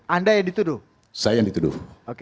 anda yang dituduh saya yang dituduh